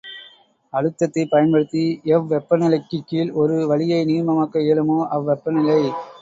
அழுத்தத்தைப் பயன்படுத்தி எவ்வெப்ப நிலைக்குக் கீழ் ஒரு வளியை நீர்மமாக்க இயலுமோ அவ்வெப்பநிலை.